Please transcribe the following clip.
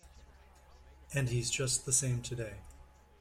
And he's just the same today.